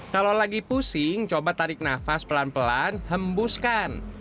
kalau lagi pusing coba tarik nafas pelan pelan hembuskan